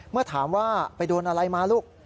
เมื่อถามว่าไปโดนอะไรมาลูก